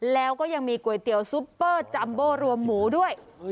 แล้วก็ยังมีก๋วยเตี๋ยวซุปเปอร์จัมโบรวมหมูด้วย